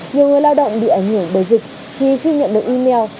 nhiều người lao động bị ảnh hưởng bởi dịch thì khi nhận được email